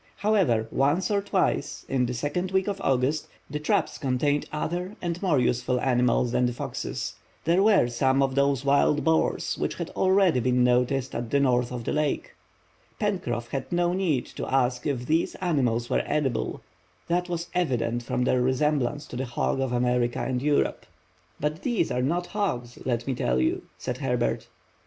However, once or twice in the second week in August, the traps contained other and more useful animals than the foxes. There were some of those wild boars which had been already noticed at the north of the lake. Pencroff had no need to ask if these animals were edible, that was evident from their resemblance to the hog of America and Europe. "But these are not hogs, let me tell you," said Herbert.